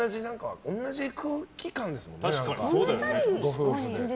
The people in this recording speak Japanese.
同じ空気感ですもんね、ご夫婦で。